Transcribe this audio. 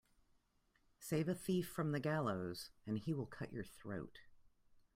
Save a thief from the gallows and he will cut your throat.